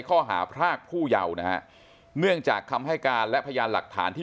ข้อหาพรากผู้เยาว์นะฮะเนื่องจากคำให้การและพยานหลักฐานที่